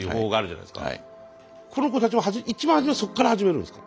この子たちも一番初めはそっから始めるんですか。